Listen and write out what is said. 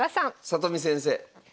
里見先生。